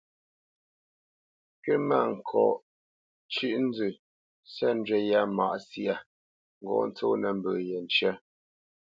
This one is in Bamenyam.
"Kywítmâŋkɔʼ ncyə̂ʼ nzə sə̂t njywí yâ mǎʼ syâ; ŋgɔ́ ntsônə́ mbə yé ncə́."